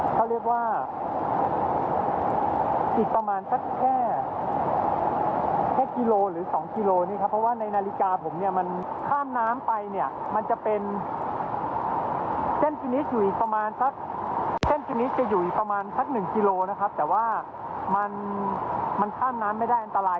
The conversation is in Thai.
ชีวิตนี้จะอยู่ประมาณสัก๑กิโลนะครับแต่ว่ามันข้ามนั้นไม่ได้อันตราย